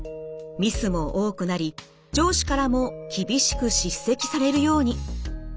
ミスも多くなり上司からも厳しく叱責されるように。